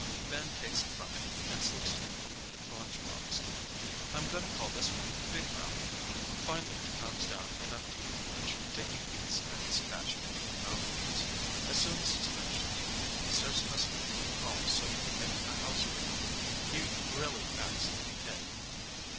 Ben takes it from me and slips it in the lunchbox. "I'm going to call this one Big Brownie." Finally he calms down enough to eat lunch, taking peeks at his catch between mouthfuls. As soon as he's finished eating, he starts hustling to get home so he can make a house for them. He really acts like a kid.